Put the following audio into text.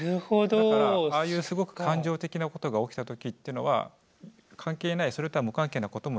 だからああいうすごく感情的なことが起きた時ってのは関係ないそれとは確かに覚えてますね。